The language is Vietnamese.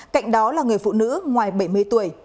cạnh đó là người phụ nữ ngoài bảy mươi tuổi